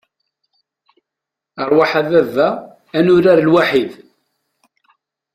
Ṛwaḥ a baba ad nurar lwaḥid!